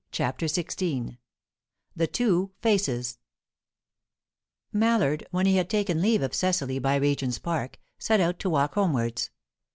CHAPTER XVI THE TWO FACES Mallard, when he had taken leave of Cecily by Regent's Park, set out to walk homewards.